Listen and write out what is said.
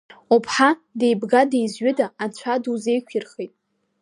Уԥҳа деибга-деизҩыда анцәа дузеиқәирхеит.